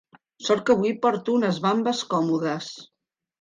Sort que avui porto unes vambes còmodes.